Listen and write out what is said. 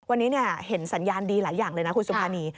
วันนี้เห็นสัญญาณดีหลายอย่างเลยนะคุณสุภานี